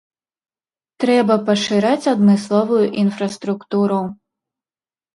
Трэба пашыраць адмысловую інфраструктуру.